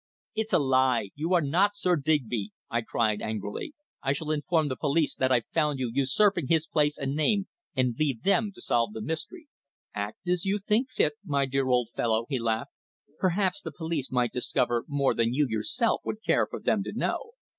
"It's a lie! You are not Sir Digby!" I cried angrily. "I shall inform the police that I've found you usurping his place and name, and leave them to solve the mystery." "Act just as you think fit, my dear old fellow," he laughed. "Perhaps the police might discover more than you yourself would care for them to know."